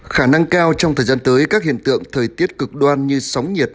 khả năng cao trong thời gian tới các hiện tượng thời tiết cực đoan như sóng nhiệt